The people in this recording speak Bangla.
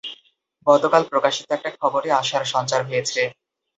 গতকাল প্রকাশিত একটা খবরে আশার সঞ্চার হয়েছে।